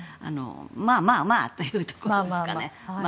まあまあというところですね。